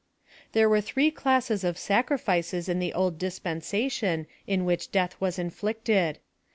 There were three classes of sacrifices in the old aispensation in which death was inflicted.